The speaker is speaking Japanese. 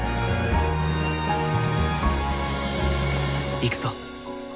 行くぞ。